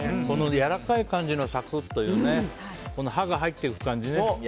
やわらかい感じのサクっていう歯が入っていく感じね。